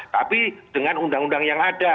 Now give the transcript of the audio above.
tapi dengan undang undang yang ada